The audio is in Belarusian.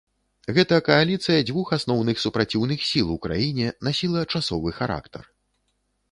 Гэта кааліцыя дзвюх асноўных супраціўных сіл у краіне насіла часовы характар.